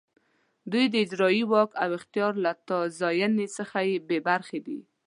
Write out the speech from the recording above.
دوی د اجرایې واک او اختیار له تازیاني څخه بې برخې دي.